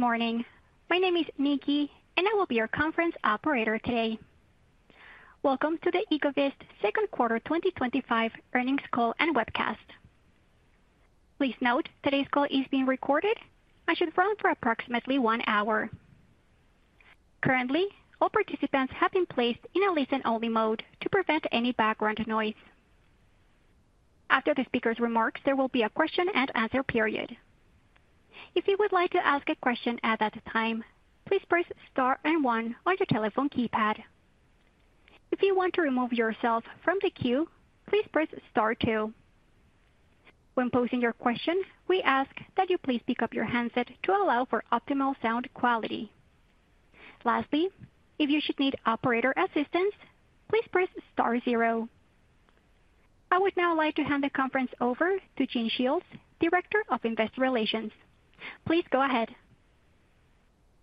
Good morning. My name is Nikki, and I will be your conference operator today. Welcome to the Ecovyst Second Quarter 2025 earnings call and webcast. Please note today's call is being recorded and should run for approximately one hour. Currently, all participants have been placed in a listen-only mode to prevent any background noise. After the speaker's remarks, there will be a question and answer period. If you would like to ask a question at that time, please press star one on your telephone keypad. If you want to remove yourself from the queue, please press star two. When posing your question, we ask that you please pick up your headset to allow for optimal sound quality. Lastly, if you should need operator assistance, please press star zero. I would now like to hand the conference over to Gene Shiels, Director of Investor Relations. Please go ahead.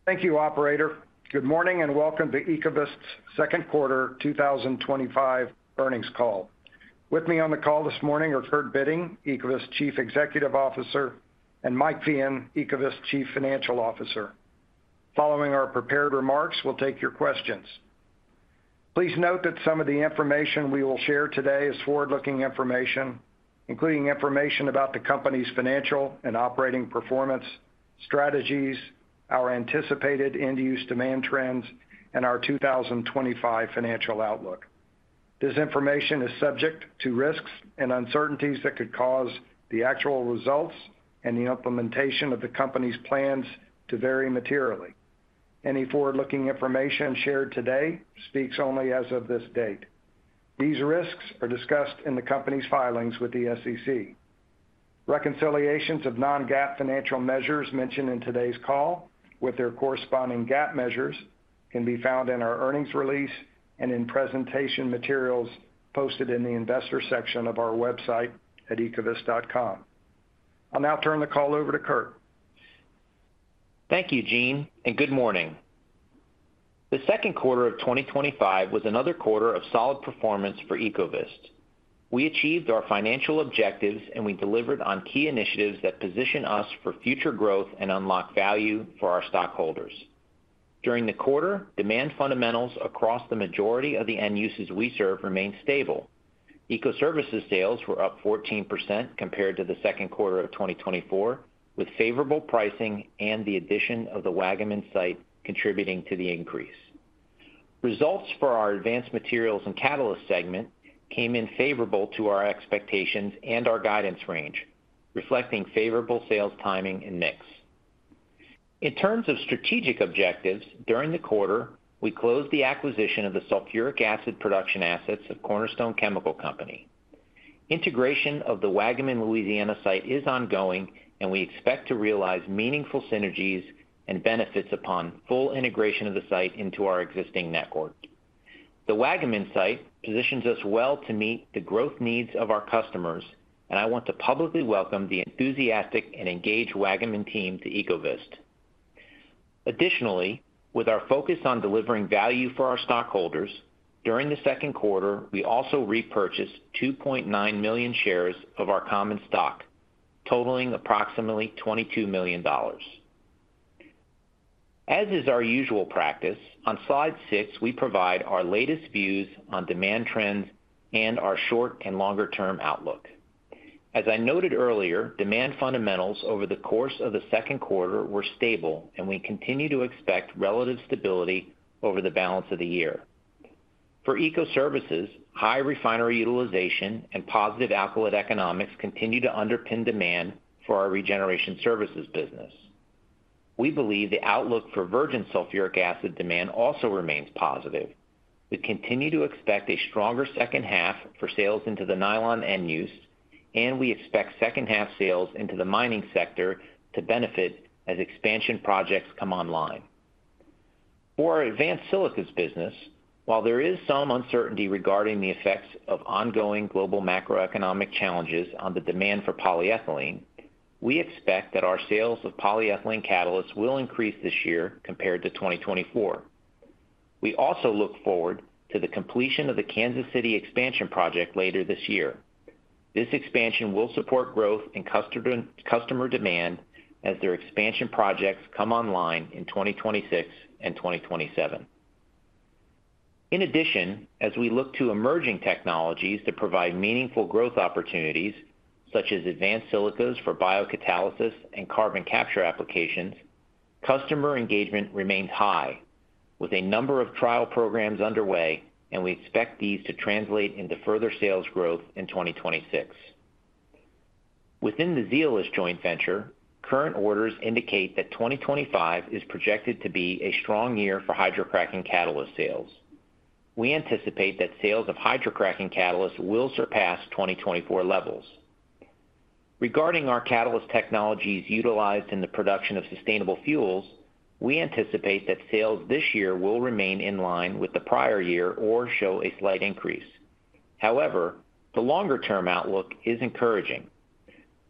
Thank you, Operator. Good morning and welcome to Ecovyst Second Quarter 2025 earnings call. With me on the call this morning are Kurt Bitting, Ecovyst Chief Executive Officer, and Mike Feehan, Ecovyst Chief Financial Officer. Following our prepared remarks, we'll take your questions. Please note that some of the information we will share today is forward-looking information, including information about the company's financial and operating performance, strategies, our anticipated end-use demand trends, and our 2025 financial outlook. This information is subject to risks and uncertainties that could cause the actual results and the implementation of the company's plans to vary materially. Any forward-looking information shared today speaks only as of this date. These risks are discussed in the company's filings with the SEC. Reconciliations of non-GAAP financial measures mentioned in today's call, with their corresponding GAAP measures, can be found in our earnings release and in presentation materials posted in the Investor section of our website at ecovyst.com. I'll now turn the call over to Kurt. Thank you, Gene, and good morning. The second quarter of 2025 was another quarter of solid performance for Ecovyst. We achieved our financial objectives, and we delivered on key initiatives that position us for future growth and unlock value for our stockholders. During the quarter, demand fundamentals across the majority of the end users we serve remained stable. Ecoservices sales were up 14% compared to the second quarter of 2024, with favorable pricing and the addition of the Waggaman site contributing to the increase. Results for our Advanced Materials and Catalysts segment came in favorable to our expectations and our guidance range, reflecting favorable sales timing and mix. In terms of strategic objectives, during the quarter, we closed the acquisition of the sulfuric acid production assets of Cornerstone Chemical Company. Integration of the Waggaman Louisiana site is ongoing, and we expect to realize meaningful synergies and benefits upon full integration of the site into our existing network. The Waggaman site positions us well to meet the growth needs of our customers, and I want to publicly welcome the enthusiastic and engaged Waggaman team to Ecovyst. Additionally, with our focus on delivering value for our stockholders, during the second quarter, we also repurchased 2.9 million shares of our common stock, totaling approximately $22 million. As is our usual practice, on slide six, we provide our latest views on demand trends and our short and longer-term outlook. As I noted earlier, demand fundamentals over the course of the second quarter were stable, and we continue to expect relative stability over the balance of the year. For Ecoservices, high refinery utilization and positive alkylation economics continue to underpin demand for our regeneration services business. We believe the outlook for virgin sulfuric acid demand also remains positive. We continue to expect a stronger second half for sales into the nylon end uses, and we expect second half sales into the mining sector to benefit as expansion projects come online. For our Advanced Silicas business, while there is some uncertainty regarding the effects of ongoing global macroeconomic challenges on the demand for polyethylene, we expect that our sales of polyethylene catalysts will increase this year compared to 2024. We also look forward to the completion of the Kansas City expansion project later this year. This expansion will support growth in customer demand as their expansion projects come online in 2026 and 2027. In addition, as we look to emerging technologies that provide meaningful growth opportunities, such as Advanced Silicas for biocatalysis and carbon capture applications, customer engagement remains high, with a number of trial programs underway, and we expect these to translate into further sales growth in 2026. Within the Zeolyst Joint Venture, current orders indicate that 2025 is projected to be a strong year for hydrocracking catalyst sales. We anticipate that sales of hydrocracking catalysts will surpass 2024 levels. Regarding our catalyst technologies utilized in the production of sustainable fuels, we anticipate that sales this year will remain in line with the prior year or show a slight increase. However, the longer-term outlook is encouraging.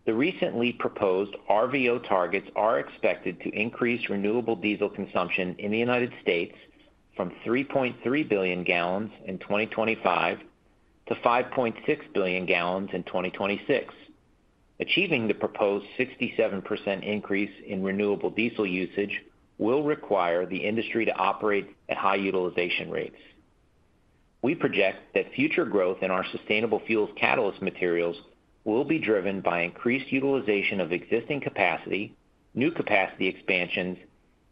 The recently proposed RVO targets are expected to increase renewable diesel consumption in the United States from 3.3 billion gallons in 2025 to 5.6 billion gallons in 2026. Achieving the proposed 67% increase in renewable diesel usage will require the industry to operate at high utilization rates. We project that future growth in our sustainable fuels catalyst materials will be driven by increased utilization of existing capacity, new capacity expansions,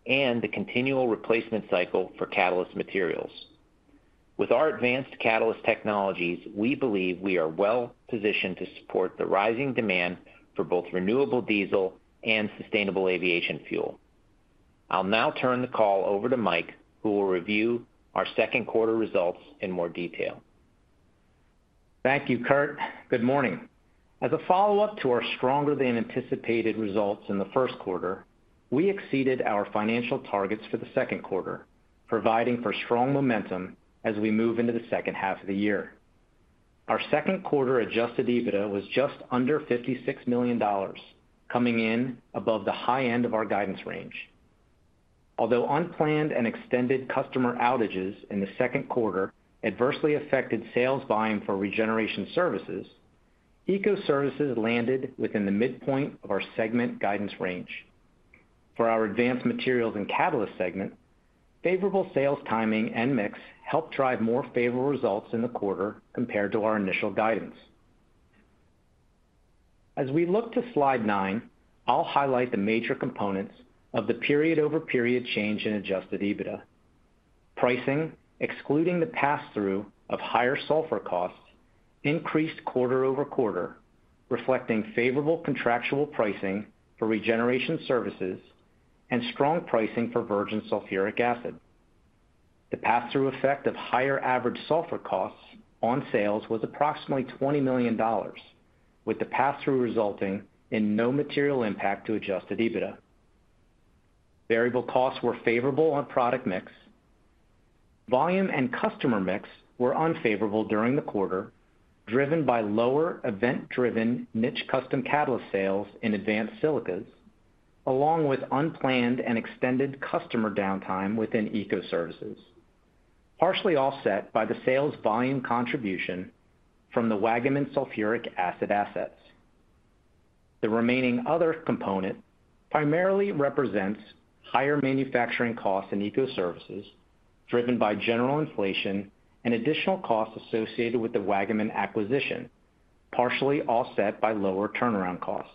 and the continual replacement cycle for catalyst materials. With our advanced catalyst technologies, we believe we are well positioned to support the rising demand for both renewable diesel and sustainable aviation fuel. I'll now turn the call over to Mike, who will review our second quarter results in more detail. Thank you, Kurt. Good morning. As a follow-up to our stronger-than-anticipated results in the first quarter, we exceeded our financial targets for the second quarter, providing for strong momentum as we move into the second half of the year. Our second quarter Adjusted EBITDA was just under $56 million, coming in above the high end of our guidance range. Although unplanned and extended customer outages in the second quarter adversely affected sales volume for regeneration services, Ecoservices landed within the midpoint of our segment guidance range. For our Advanced Materials and Catalysts segment, favorable sales timing and mix helped drive more favorable results in the quarter compared to our initial guidance. As we look to slide nine, I'll highlight the major components of the period-over-period change in Adjusted EBITDA. Pricing, excluding the pass-through of higher sulfur costs, increased quarter-over-quarter, reflecting favorable contractual pricing for regeneration services and strong pricing for virgin sulfuric acid. The pass-through effect of higher average sulfur costs on sales was approximately $20 million, with the pass-through resulting in no material impact to Adjusted EBITDA. Variable costs were favorable on product mix. Volume and customer mix were unfavorable during the quarter, driven by lower event-driven niche custom catalyst sales in Advanced Silicas, along with unplanned and extended customer downtime within Ecoservices, partially offset by the sales volume contribution from the Waggaman sulfuric acid assets. The remaining other component primarily represents higher manufacturing costs in Ecoservices, driven by general inflation and additional costs associated with the Waggaman acquisition, partially offset by lower turnaround costs.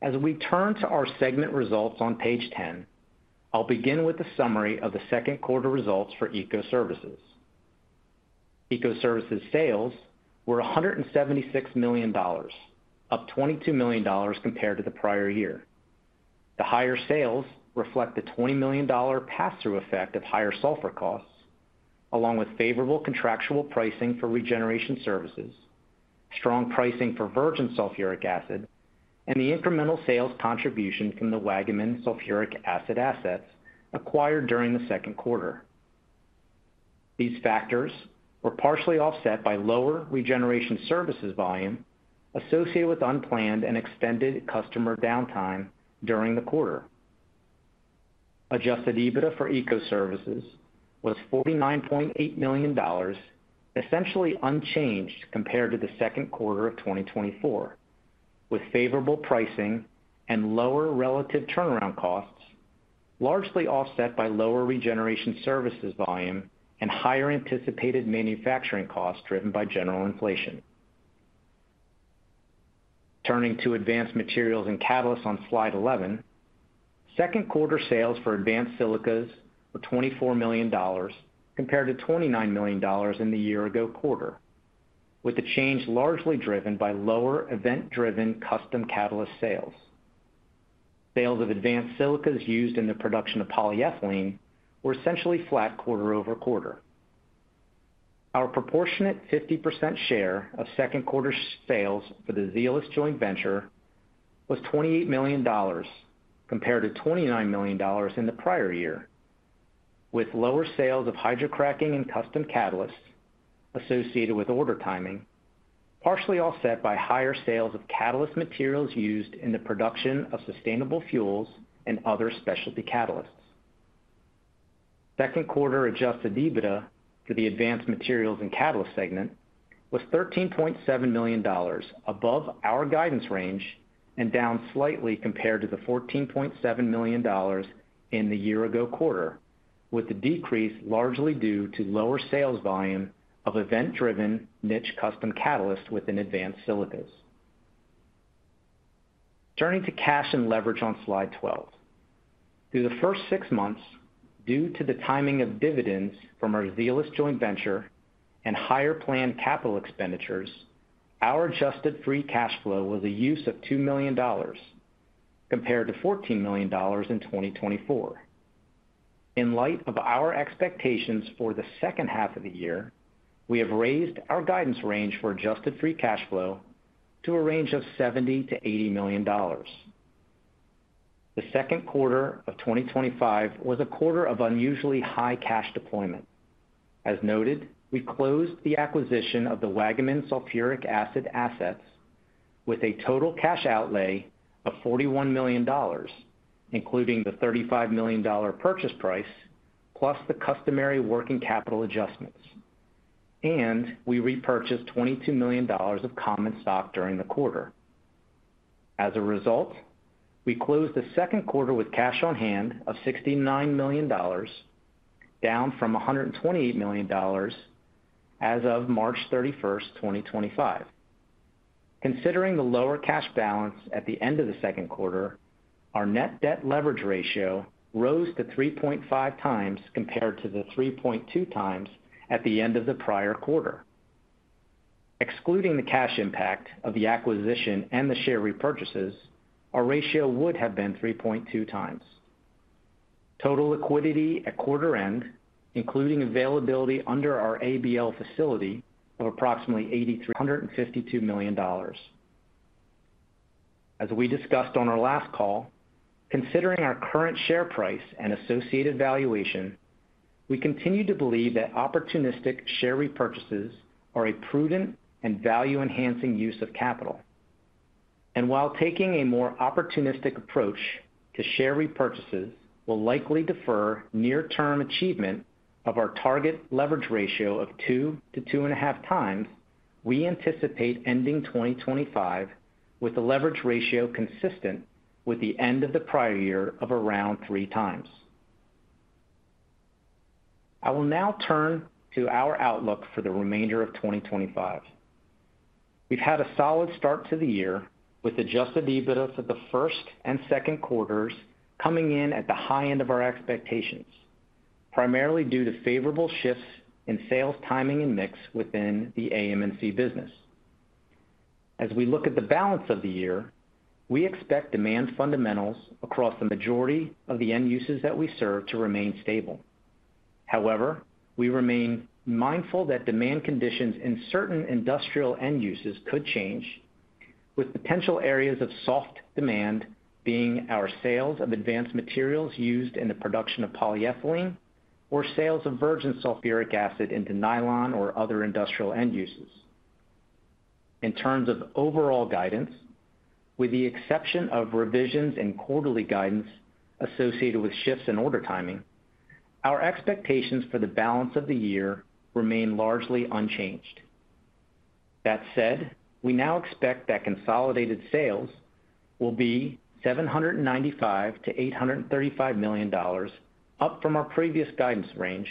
As we turn to our segment results on page 10, I'll begin with a summary of the second quarter results for Ecoservices. Ecoservices sales were $176 million, up $22 million compared to the prior year. The higher sales reflect the $20 million pass-through effect of higher sulfur costs, along with favorable contractual pricing for regeneration services, strong pricing for virgin sulfuric acid, and the incremental sales contribution from the Waggaman sulfuric acid assets acquired during the second quarter. These factors were partially offset by lower regeneration services volume associated with unplanned and extended customer downtime during the quarter. Adjusted EBITDA for Ecoservices was $49.8 million, essentially unchanged compared to the second quarter of 2024, with favorable pricing and lower relative turnaround costs, largely offset by lower regeneration services volume and higher anticipated manufacturing costs driven by general inflation. Turning to Advanced Materials and Catalysts on slide 11, second quarter sales for Advanced Silicas were $24 million compared to $29 million in the year-ago quarter, with the change largely driven by lower event-driven custom catalyst sales. Sales of Advanced Silicas used in the production of polyethylene were essentially flat quarter-over-quarter. Our proportionate 50% share of second quarter sales for the Zeolyst Joint Venture was $28 million compared to $29 million in the prior year, with lower sales of hydrocracking and custom catalysts associated with order timing, partially offset by higher sales of catalyst materials used in the production of sustainable fuels and other specialty catalysts. Second quarter Adjusted EBITDA for the Advanced Materials and Catalysts segment was $13.7 million, above our guidance range and down slightly compared to the $14.7 million in the year-ago quarter, with the decrease largely due to lower sales volume of event-driven niche custom catalysts within Advanced Silicas. Turning to cash and leverage on slide 12. Through the first six months, due to the timing of dividends from our Zeolyst Joint Venture and higher planned capital expenditures, our adjusted free cash flow was a use of $2 million compared to $14 million in 2024. In light of our expectations for the second half of the year, we have raised our guidance range for adjusted free cash flow to a range of $70 to $80 million. The second quarter of 2025 was a quarter of unusually high cash deployment. As noted, we closed the acquisition of the Waggaman sulfuric acid assets with a total cash outlay of $41 million, including the $35 million purchase price plus the customary working capital adjustments, and we repurchased $22 million of common stock during the quarter. As a result, we closed the second quarter with cash on hand of $69 million, down from $128 million as of March 31, 2025. Considering the lower cash balance at the end of the second quarter, our net debt leverage ratio rose to 3.5x compared to the 3.2x at the end of the prior quarter. Excluding the cash impact of the acquisition and the share repurchases, our ratio would have been 3.2x. Total liquidity at quarter end, including availability under our ABL facility, was approximately $83 million. $152 million. As we discussed on our last call, considering our current share price and associated valuation, we continue to believe that opportunistic share repurchases are a prudent and value-enhancing use of capital. While taking a more opportunistic approach to share repurchases will likely defer near-term achievement of our target leverage ratio of 2x-2.5x, we anticipate ending 2025 with a leverage ratio consistent with the end of the prior year of around 3x. I will now turn to our outlook for the remainder of 2025. We've had a solid start to the year with Adjusted EBITDA for the first and second quarters coming in at the high end of our expectations, primarily due to favorable shifts in sales timing and mix within the AM&C business. As we look at the balance of the year, we expect demand fundamentals across the majority of the end users that we serve to remain stable. However, we remain mindful that demand conditions in certain industrial end uses could change, with potential areas of soft demand being our sales of advanced materials used in the production of polyethylene or sales of virgin sulfuric acid into nylon or other industrial end uses. In terms of overall guidance, with the exception of revisions in quarterly guidance associated with shifts in order timing, our expectations for the balance of the year remain largely unchanged. That said, we now expect that consolidated sales will be $795 million-$835 million, up from our previous guidance range,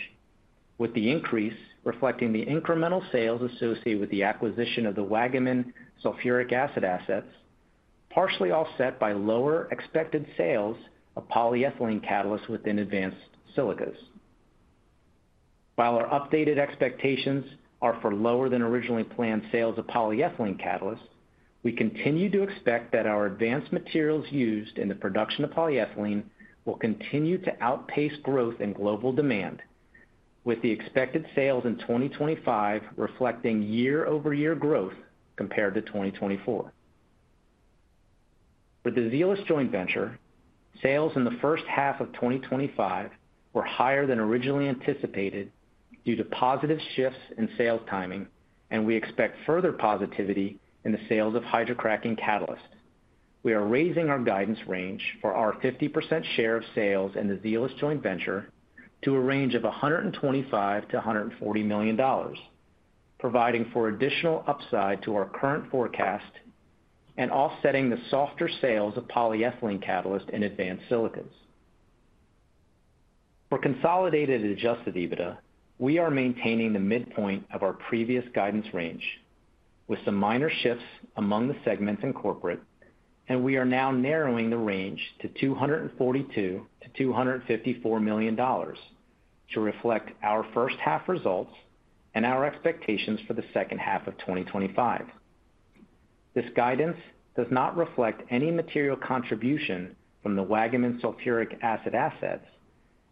with the increase reflecting the incremental sales associated with the acquisition of the Waggaman sulfuric acid assets, partially offset by lower expected sales of polyethylene catalysts within Advanced Silicas. While our updated expectations are for lower than originally planned sales of polyethylene catalysts, we continue to expect that our advanced materials used in the production of polyethylene will continue to outpace growth in global demand, with the expected sales in 2025 reflecting year-over-year growth compared to 2024. For the Zeolyst Joint Venture, sales in the first half of 2025 were higher than originally anticipated due to positive shifts in sales timing, and we expect further positivity in the sales of hydrocracking catalysts. We are raising our guidance range for our 50% share of sales in the Zeolyst Joint Venture to a range of $125-$140 million, providing for additional upside to our current forecast and offsetting the softer sales of polyethylene catalysts in Advanced Silicas. For consolidated Adjusted EBITDA, we are maintaining the midpoint of our previous guidance range, with some minor shifts among the segments and corporate, and we are now narrowing the range $242-$254 million to reflect our first half results and our expectations for the second half of 2025. This guidance does not reflect any material contribution from the Waggaman sulfuric acid assets,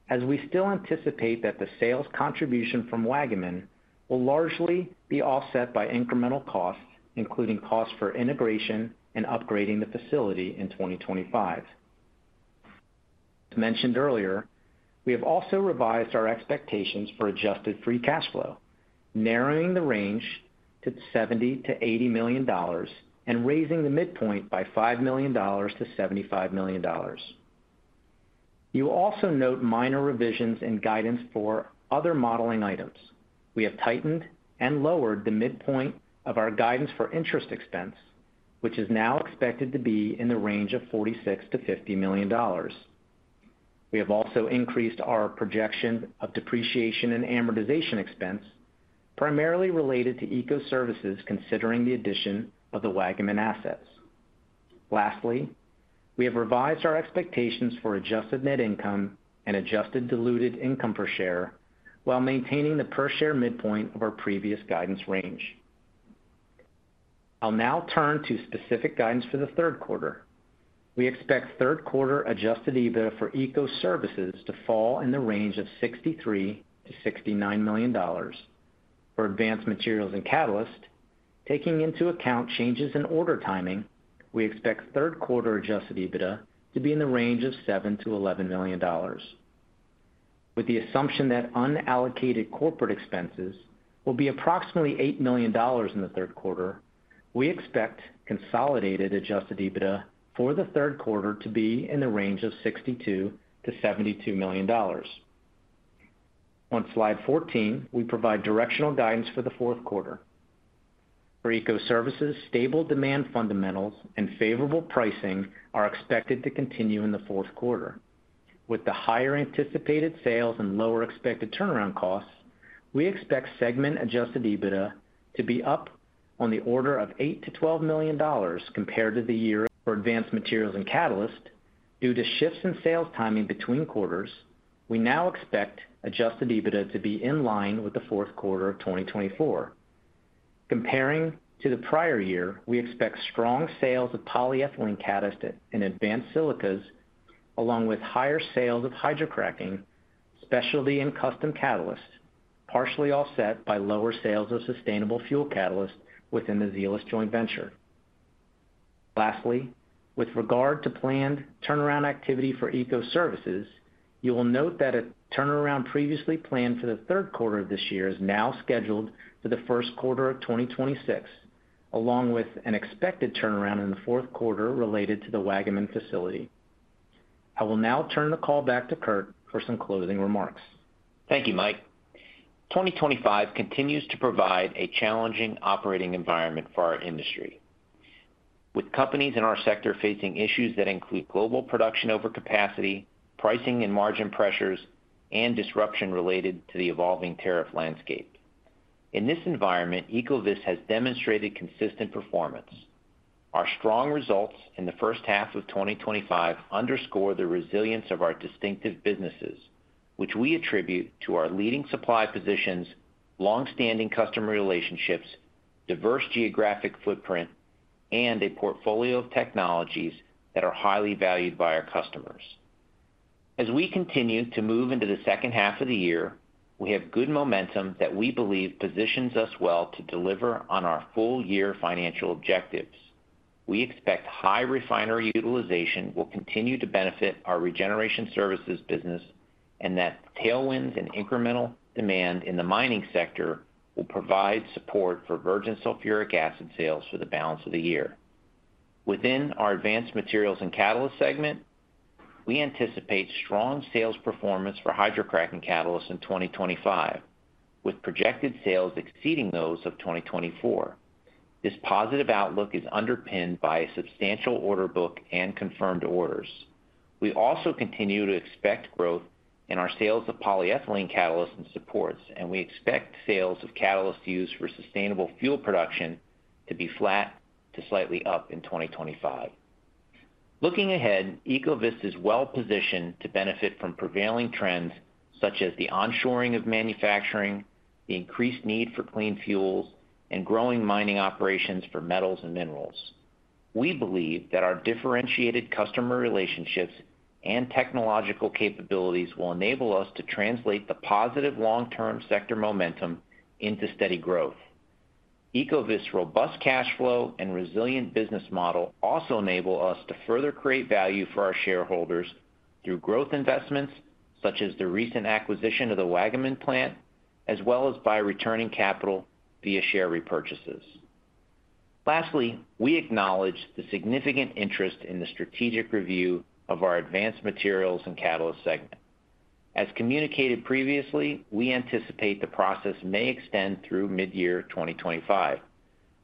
as we still anticipate that the sales contribution from Waggaman will largely be offset by incremental costs, including costs for integration and upgrading the facility in 2025. As mentioned earlier, we have also revised our expectations for adjusted free cash flow, narrowing the range to $70-$80 million and raising the midpoint by $5 million-$75 million. You will also note minor revisions in guidance for other modeling items. We have tightened and lowered the midpoint of our guidance for interest expense, which is now expected to be in the range of $46-$50 million. We have also increased our projection of depreciation and amortization expense, primarily related to Ecoservices, considering the addition of the Waggaman assets. Lastly, we have revised our expectations for adjusted net income and adjusted diluted income per share while maintaining the per share midpoint of our previous guidance range. I'll now turn to specific guidance for the third quarter. We expect third quarter Adjusted EBITDA for Ecoservices to fall in the range of $63-$69 million. For Advanced Materials and Catalysts, taking into account changes in order timing, we expect third quarter Adjusted EBITDA to be in the range of $7 -$11 million. With the assumption that unallocated corporate expenses will be approximately $8 million in the third quarter, we expect consolidated Adjusted EBITDA for the third quarter to be in the range of $62-$72 million. On slide 14, we provide directional guidance for the fourth quarter. For Ecoservices, stable demand fundamentals and favorable pricing are expected to continue in the fourth quarter. With the higher anticipated sales and lower expected turnaround costs, we expect segment Adjusted EBITDA to be up on the order of $8-$12 million compared to the year. For Advanced Materials and Catalysts, due to shifts in sales timing between quarters, we now expect Adjusted EBITDA to be in line with the fourth quarter of 2024. Comparing to the prior year, we expect strong sales of polyethylene catalysts in Advanced Silicas, along with higher sales of hydrocracking, especially in custom catalysts, partially offset by lower sales of sustainable fuel catalysts within the Zeolyst Joint Venture. Lastly, with regard to planned turnaround activity for Ecoservices, you will note that a turnaround previously planned for the third quarter of this year is now scheduled for the first quarter of 2026, along with an expected turnaround in the fourth quarter related to the Waggaman facility. I will now turn the call back to Kurt for some closing remarks. Thank you, Mike. 2025 continues to provide a challenging operating environment for our industry, with companies in our sector facing issues that include global production overcapacity, pricing and margin pressures, and disruption related to the evolving tariff landscape. In this environment, Ecovyst has demonstrated consistent performance. Our strong results in the first half of 2025 underscore the resilience of our distinctive businesses, which we attribute to our leading supply positions, longstanding customer relationships, diverse geographic footprint, and a portfolio of technologies that are highly valued by our customers. As we continue to move into the second half of the year, we have good momentum that we believe positions us well to deliver on our full-year financial objectives. We expect high refinery utilization will continue to benefit our regeneration services business and that tailwinds and incremental demand in the mining sector will provide support for virgin sulfuric acid sales for the balance of the year. Within our Advanced Materials and Catalysts segment, we anticipate strong sales performance for hydrocracking catalysts in 2025, with projected sales exceeding those of 2024. This positive outlook is underpinned by a substantial order book and confirmed orders. We also continue to expect growth in our sales of polyethylene catalysts and supports, and we expect sales of catalysts used for sustainable fuel production to be flat to slightly up in 2025. Looking ahead, Ecovyst is well positioned to benefit from prevailing trends such as the onshoring of manufacturing, the increased need for clean fuels, and growing mining operations for metals and minerals. We believe that our differentiated customer relationships and technological capabilities will enable us to translate the positive long-term sector momentum into steady growth. Ecovyst's robust cash flow and resilient business model also enable us to further create value for our shareholders through growth investments such as the recent acquisition of the Waggaman plant, as well as by returning capital via share repurchases. Lastly, we acknowledge the significant interest in the strategic review of our Advanced Materials and Catalysts segment. As communicated previously, we anticipate the process may extend through mid-year 2025.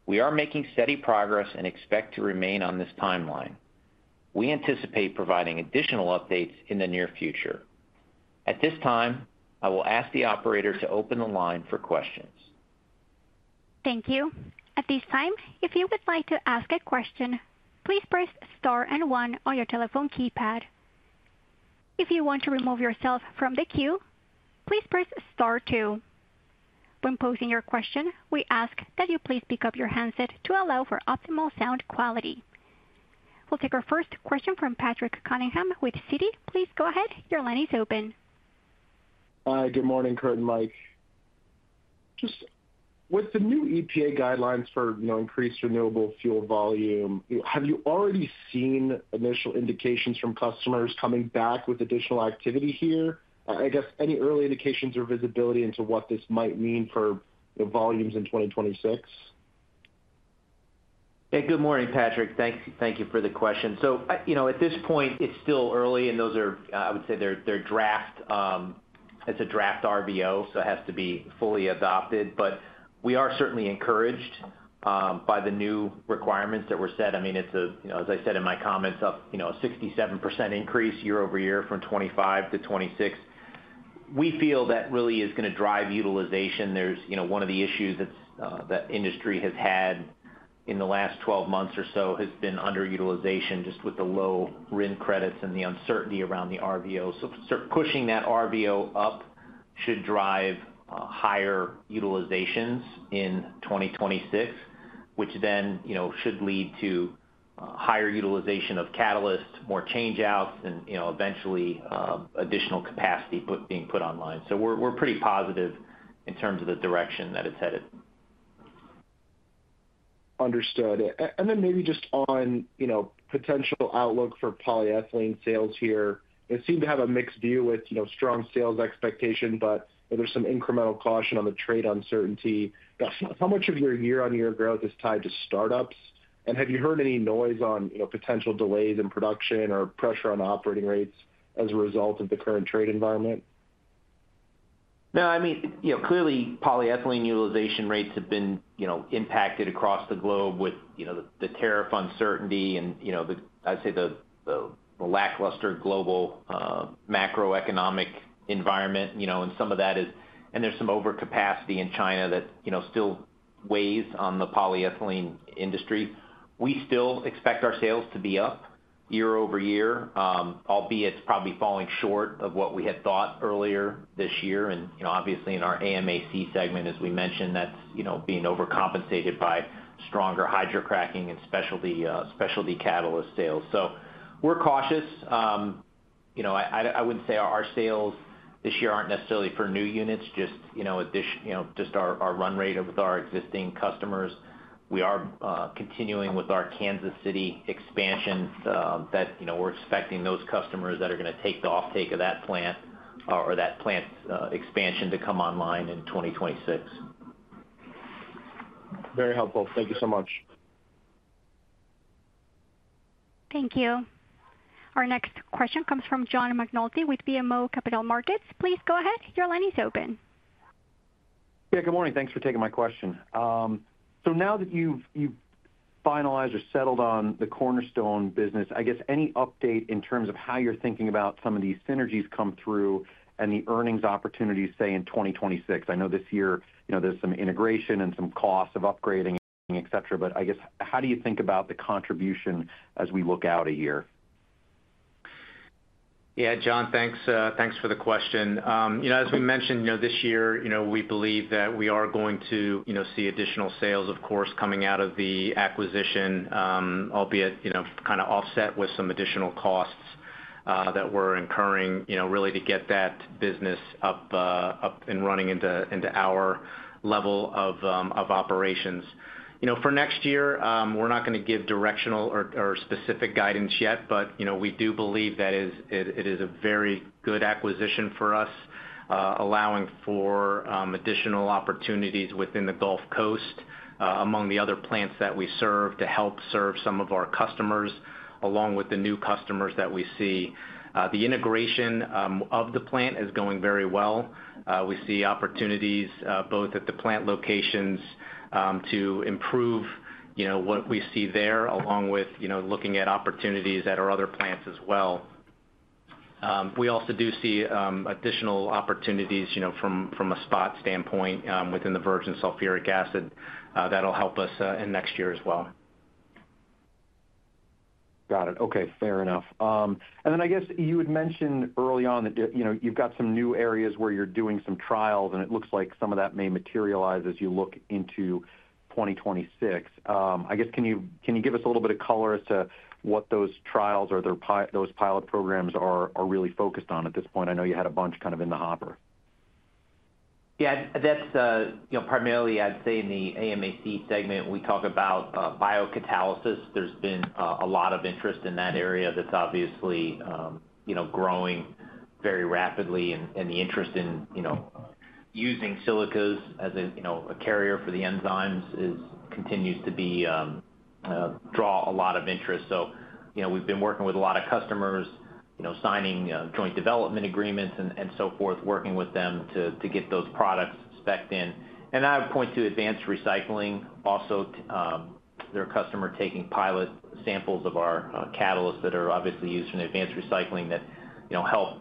We are making steady progress and expect to remain on this timeline. We anticipate providing additional updates in the near future. At this time, I will ask the operator to open the line for questions. Thank you. At this time, if you would like to ask a question, please press star one on your telephone keypad. If you want to remove yourself from the queue, please press star two. When posing your question, we ask that you please pick up your headset to allow for optimal sound quality. We'll take our first question from Patrick Cunningham with Citi. Please go ahead. Your line is open. Hi. Good morning, Kurt and Mike. Just with the new EPA guidelines for increased renewable fuel volume, have you already seen initial indications from customers coming back with additional activity here? I guess any early indications or visibility into what this might mean for volumes in 2026? Yeah, good morning, Patrick. Thank you for the question. At this point, it's still early, and those are, I would say, they're draft. It's a draft RVO, so it has to be fully adopted. We are certainly encouraged by the new requirements that were set. I mean, it's a, you know, as I said in my comments, a 67% increase year over year from 2025 to 2026. We feel that really is going to drive utilization. One of the issues that the industry has had in the last 12 months or so has been underutilization just with the low RIN credits and the uncertainty around the RVO. Pushing that RVO up should drive higher utilizations in 2026, which then should lead to higher utilization of catalysts, more changeouts, and eventually additional capacity being put online. We're pretty positive in terms of the direction that it's headed. Understood. Maybe just on potential outlook for polyethylene sales here, it seemed to have a mixed view with strong sales expectations, but there's some incremental caution on the trade uncertainty. How much of your year-on-year growth is tied to startups? Have you heard any noise on potential delays in production or pressure on operating rates as a result of the current trade environment? No, I mean, clearly polyethylene utilization rates have been impacted across the globe with the tariff uncertainty and, I'd say, the lackluster global macroeconomic environment, and some of that is, and there's some overcapacity in China that still weighs on the polyethylene industry. We still expect our sales to be up year over year, albeit it's probably falling short of what we had thought earlier this year. Obviously, in our AM&C segment, as we mentioned, that's being overcompensated by stronger hydrocracking and specialty catalyst sales. We're cautious. I wouldn't say our sales this year aren't necessarily for new units, just our run rate with our existing customers. We are continuing with our Kansas City expansion that we're expecting those customers that are going to take the offtake of that plant or that plant expansion to come online in 2026. Very helpful. Thank you so much. Thank you. Our next question comes from John McNulty with BMO Capital Markets. Please go ahead. Your line is open. Good morning. Thanks for taking my question. Now that you've finalized or settled on the Cornerstone Chemical Company business, any update in terms of how you're thinking about some of these synergies coming through and the earnings opportunities, say, in 2026? I know this year there's some integration and some costs of upgrading, et cetera, but how do you think about the contribution as we look out a year? Yeah, John, thanks for the question. As we mentioned, this year we believe that we are going to see additional sales, of course, coming out of the acquisition, albeit kind of offset with some additional costs that we're incurring, really to get that business up and running into our level of operations. For next year, we're not going to give directional or specific guidance yet, but we do believe that it is a very good acquisition for us, allowing for additional opportunities within the Gulf Coast among the other plants that we serve to help serve some of our customers along with the new customers that we see. The integration of the plant is going very well. We see opportunities both at the plant locations to improve what we see there along with looking at opportunities at our other plants as well. We also do see additional opportunities from a spot standpoint within the virgin sulfuric acid that'll help us in next year as well. Got it. Okay, fair enough. You had mentioned early on that, you know, you've got some new areas where you're doing some trials, and it looks like some of that may materialize as you look into 2026. I guess can you give us a little bit of color as to what those trials or those pilot programs are really focused on at this point? I know you had a bunch kind of in the hopper. Yeah, that's primarily, I'd say, in the AM&C segment. We talk about biocatalysis. There's been a lot of interest in that area that's obviously growing very rapidly, and the interest in using silicas as a carrier for the enzymes continues to draw a lot of interest. We've been working with a lot of customers, signing joint development agreements and so forth, working with them to get those products specced in. I would point to advanced recycling also, their customer taking pilot samples of our catalysts that are obviously used in advanced recycling that help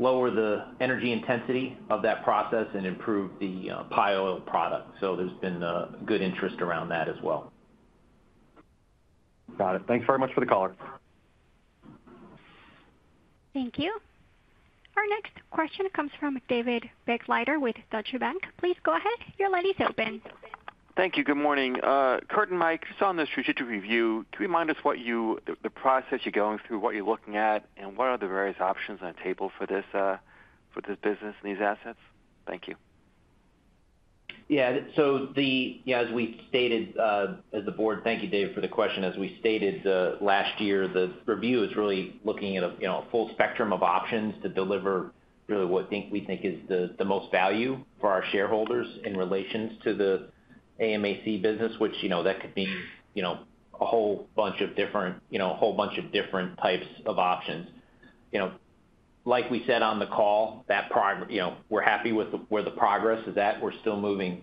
lower the energy intensity of that process and improve the byproduct. There's been good interest around that as well. Got it. Thanks very much for the call. Thank you. Our next question comes from David Begleiter with Deutsche Bank. Please go ahead. Your line is open. Thank you. Good morning. Kurt and Mike, just on this strategic review, can you remind us what the process you're going through is, what you're looking at, and what are the various options on the table for this business and these assets? Thank you. Yeah, as we stated, thank you, David, for the question. As we stated last year, the review is really looking at a full spectrum of options to deliver what we think is the most value for our shareholders in relation to the AM&C business, which could mean a whole bunch of different types of options. Like we said on the call, we're happy with where the progress is at. We're still moving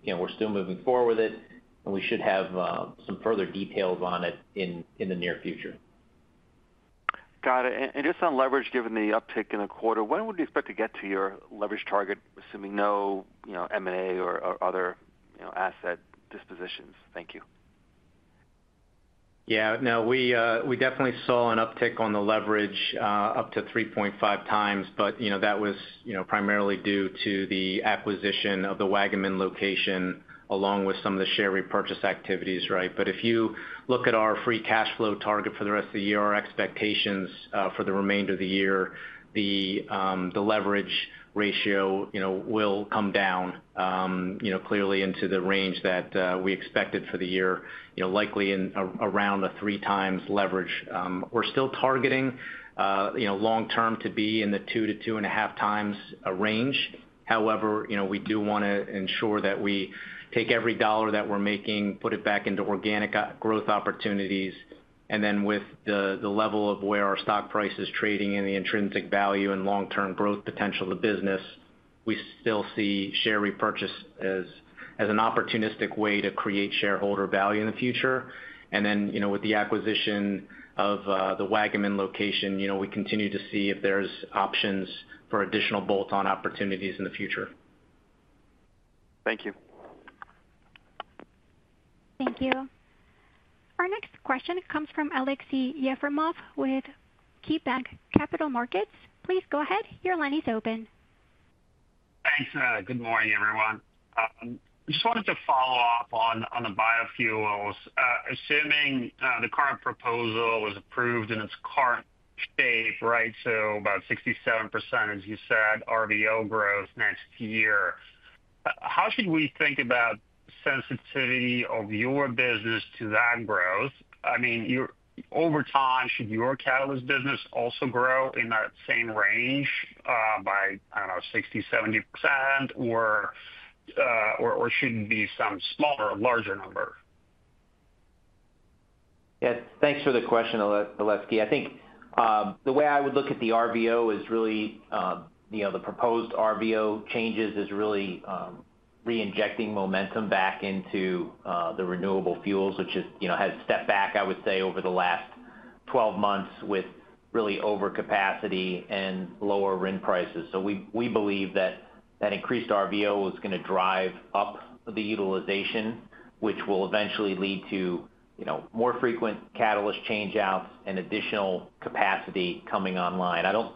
forward with it, and we should have some further details on it in the near future. Got it. Just on leverage, given the uptick in the quarter, when would you expect to get to your leverage target, assuming no M&A or other asset dispositions? Thank you. Yeah, no, we definitely saw an uptick on the leverage up to 3.5x, but that was primarily due to the acquisition of the Waggaman location along with some of the share repurchase activities, right? If you look at our free cash flow target for the rest of the year, our expectations for the remainder of the year, the leverage ratio will come down, clearly into the range that we expected for the year, likely in around a 3x leverage. We're still targeting long term to be in the 2x-2.5x range. However, we do want to ensure that we take every dollar that we're making, put it back into organic growth opportunities, and with the level of where our stock price is trading and the intrinsic value and long-term growth potential of the business, we still see share repurchase as an opportunistic way to create shareholder value in the future. With the acquisition of the Waggaman location, we continue to see if there's options for additional bolt-on opportunities in the future. Thank you. Thank you. Our next question comes from Aleksey Yefremov with KeyBanc Capital Markets. Please go ahead. Your line is open. Thanks. Good morning, everyone. I just wanted to follow up on the biofuels. Assuming the current proposal was approved in its current state, right, so about 67%, as you said, RVO growth next year, how should we think about the sensitivity of your business to that growth? I mean, over time, should your catalyst business also grow in that same range by, I don't know, 60%, 70%, or should it be some smaller or larger number? Yeah, thanks for the question, Aleksey. I think the way I would look at the RVO is really, you know, the proposed RVO changes are really reinjecting momentum back into the renewable fuels, which has stepped back, I would say, over the last 12 months with really overcapacity and lower RIN prices. We believe that increased RVO is going to drive up the utilization, which will eventually lead to more frequent catalyst changeouts and additional capacity coming online. I don't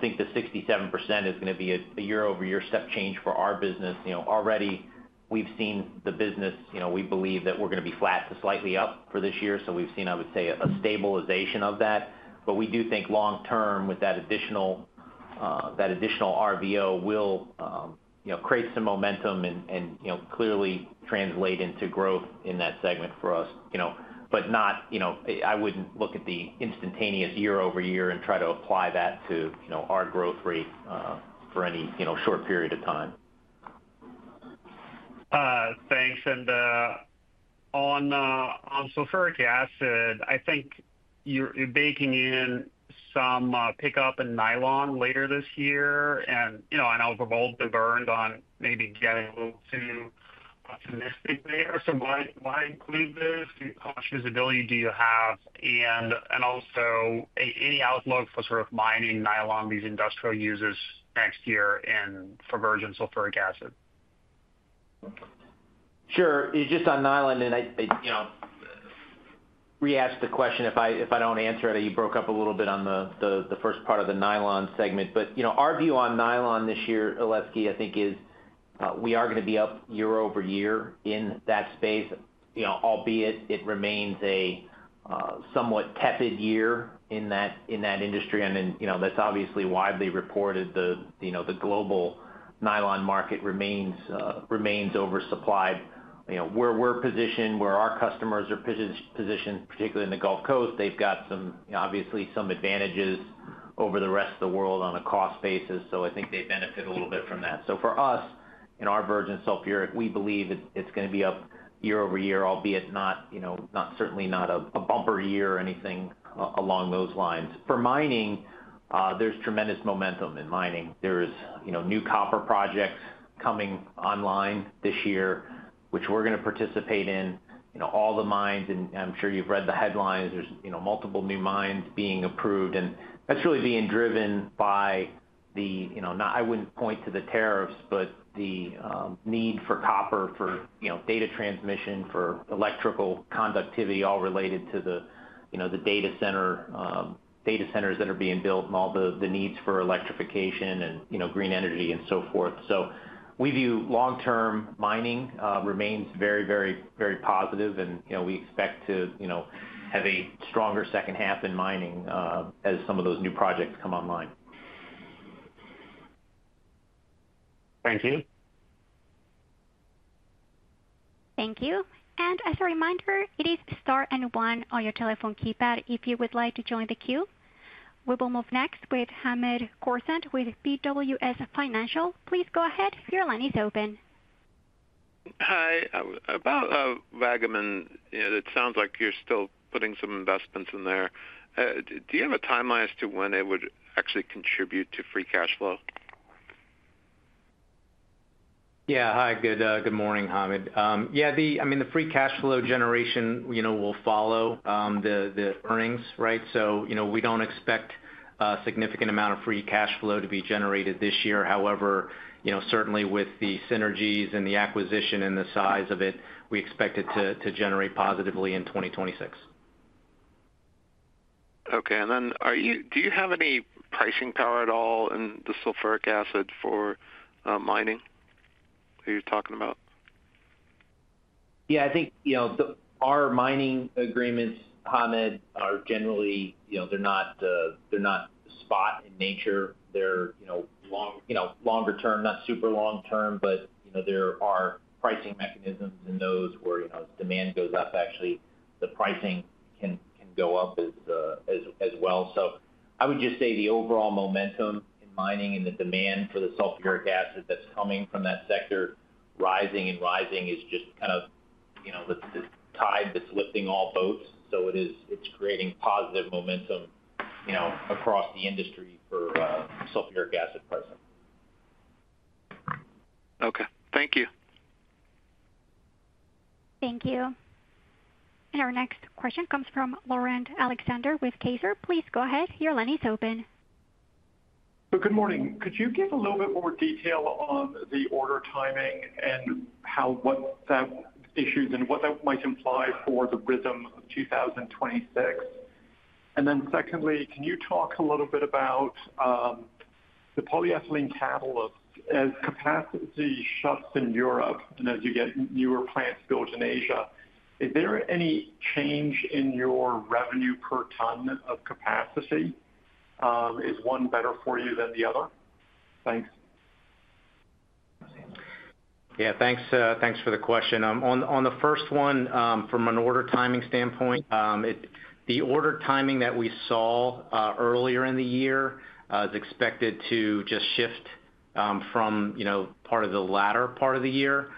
think the 67% is going to be a year-over-year step change for our business. Already we've seen the business, we believe that we're going to be flat to slightly up for this year. We've seen, I would say, a stabilization of that. We do think long term that additional RVO will create some momentum and clearly translate into growth in that segment for us, but I wouldn't look at the instantaneous year-over-year and try to apply that to our growth rate for any short period of time. Thanks. On sulfuric acid, I think you're baking in some pickup in nylon later this year. I know we've all diverged on maybe getting a little too optimistic there. Why include this? How much visibility do you have? Also, any outlook for sort of mining, nylon, these industrial uses next year, and for virgin sulfuric acid? Sure. It's just on nylon. I re-ask the question. If I don't answer it, you broke up a little bit on the first part of the nylon segment. Our view on nylon this year, Aleksey, I think is we are going to be up year over year in that space, albeit it remains a somewhat tepid year in that industry. That's obviously widely reported. The global nylon market remains oversupplied. Where we're positioned, where our customers are positioned, particularly in the Gulf Coast, they've got some advantages over the rest of the world on a cost basis. I think they benefit a little bit from that. For us, in our virgin sulfuric, we believe it's going to be up year over year, albeit not certainly not a bumper year or anything along those lines. For mining, there's tremendous momentum in mining. There are new copper projects coming online this year, which we're going to participate in. All the mines, and I'm sure you've read the headlines, there are multiple new mines being approved. That's really being driven by the need for copper for data transmission, for electrical conductivity, all related to the data center, data centers that are being built and all the needs for electrification and green energy and so forth. We view long-term mining remains very, very, very positive. We expect to have a stronger second half in mining as some of those new projects come online. Thank you. Thank you. As a reminder, it is star one on your telephone keypad if you would like to join the queue. We will move next with Hamed Khorsand with BWS Financial. Please go ahead. Your line is open. Hi. About Waggaman, it sounds like you're still putting some investments in there. Do you have a timeline as to when it would actually contribute to free cash flow? Yeah, hi. Good morning, Hamed. Yeah, I mean, the free cash flow generation will follow the earnings, right? We don't expect a significant amount of free cash flow to be generated this year. However, certainly with the synergies and the acquisition and the size of it, we expect it to generate positively in 2026. Okay. Do you have any pricing power at all in the sulfuric acid for mining that you're talking about? I think our mining agreements, Hamed, are generally not spot in nature. They're longer term, not super long term, but there are pricing mechanisms in those where demand goes up. Actually, the pricing can go up as well. I would just say the overall momentum in mining and the demand for the sulfuric acid that's coming from that sector rising and rising is just kind of the tide that's lifting all boats. It is creating positive momentum across the industry for sulfuric acid pricing. Okay, thank you. Thank you. Our next question comes from Laurent Alexander with Kaiser. Please go ahead. Your line is open. Good morning. Could you give a little bit more detail on the order timing and how that issues and what that might imply for the rhythm of 2026? Secondly, can you talk a little bit about the polyethylene catalyst? As capacity shuts in Europe and as you get newer plants built in Asia, is there any change in your revenue per ton of capacity? Is one better for you than the other? Thanks. Yeah, thanks for the question. On the first one, from an order timing standpoint, the order timing that we saw earlier in the year is expected to just shift from part of the latter part of the year.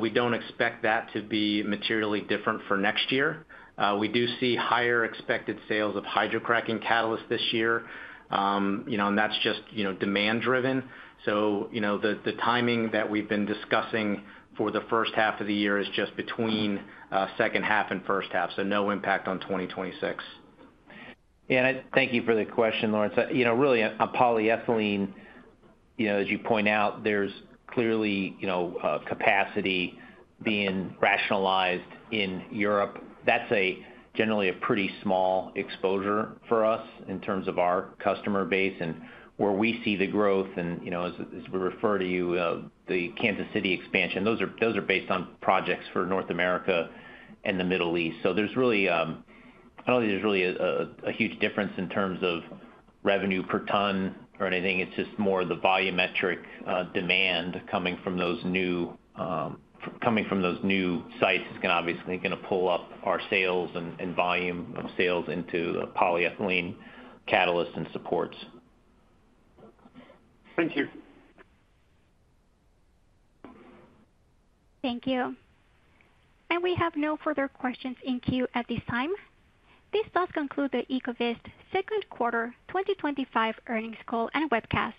We don't expect that to be materially different for next year. We do see higher expected sales of hydrocracking catalysts this year, and that's just demand-driven. The timing that we've been discussing for the first half of the year is just between second half and first half. No impact on 2026. Thank you for the question, Laurent. Really, on polyethylene, as you point out, there's clearly capacity being rationalized in Europe. That's generally a pretty small exposure for us in terms of our customer base and where we see the growth. As we refer to the Kansas City expansion, those are based on projects for North America and the Middle East. I don't think there's really a huge difference in terms of revenue per ton or anything. It's just more the volumetric demand coming from those new sites is going to obviously pull up our sales and volume of sales into polyethylene catalysts and supports. Thank you. Thank you. We have no further questions in queue at this time. This does conclude the Ecovyst Second Quarter 2025 earnings call and webcast.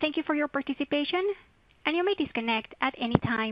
Thank you for your participation, and you may disconnect at any time.